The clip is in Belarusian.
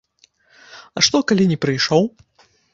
А што, калі не прыйшоў?